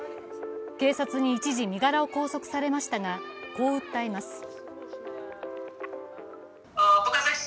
警察に一時身柄を拘束されましたが、こう訴えます。